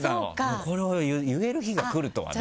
これを言える日がくるとはね。